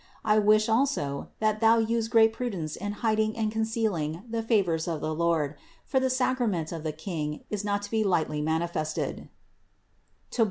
I wish also, that thou use great prudence in hid ing and concealing the favors of the Lord, for the sacra ment of the King is not to be lightly manifested (Tob.